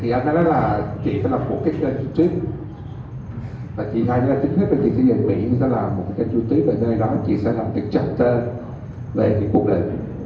thì anh ấy nói là chị phải làm một cái chương trình